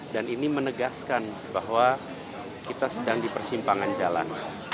dan ini menegaskan bahwa kita sedang di persimpangan jalan